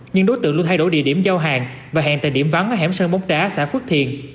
nhưng đối tượng luôn thay đổi địa điểm giao hàng và hẹn tại điểm vắng ở hẻm sơn bóng đá xã phước thiền